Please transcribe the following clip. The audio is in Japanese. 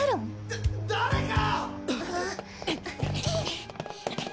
だ誰か！